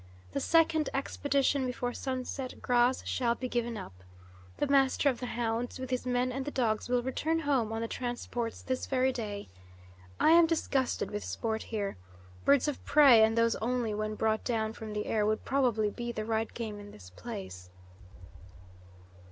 The second expedition before sunset, Gras, shall be given up. The master of the hounds, with his men and the dogs, will return home on the transports this very day. I am disgusted with sport here. Birds of prey, and those only when brought down from the air, would probably be the right game in this place."